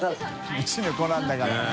うちの子なんだから」ねぇ。